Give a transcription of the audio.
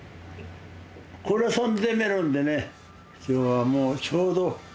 このサンデーメロンでね今日はもうちょうど。